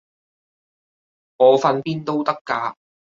我瞓邊都得㗎